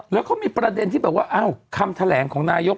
แล้วก็มีประเด็นที่แบบว่าอ้าวคำแถลงของนายก